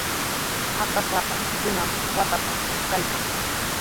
Patrasapa runami waqtatraw kaykan.